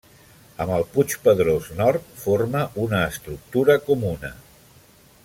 Amb el Puig Pedrós Nord forma una estructura comuna.